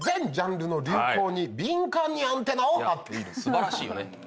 素晴らしいよね。